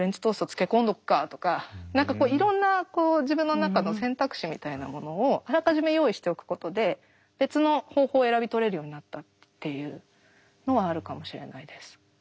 漬け込んどくかとか何かいろんなこう自分の中の選択肢みたいなものをあらかじめ用意しておくことで別の方法を選び取れるようになったっていうのはあるかもしれないです。